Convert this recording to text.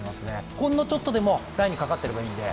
ほんのちょっとでもラインにかかっていればいいんで。